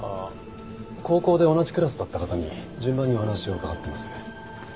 高校で同じクラスだった方に順番にお話を伺っています。